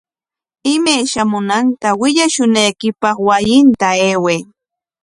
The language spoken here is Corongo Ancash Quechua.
Imay shamunanta willashunaykipaq wasinta ayway.